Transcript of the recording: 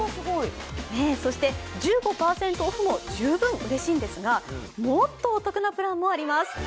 そして１５％オフも十分うれしいんですが、もっとお得なプランもあります。